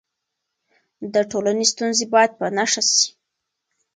د ټولنې ستونزې باید په نښه سي.